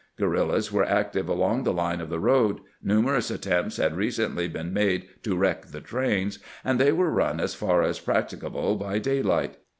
Gruerrillas were active along the line of the road, numerous attempts had recently been made to wreck the trains, and they were run as far as practicable by daylight.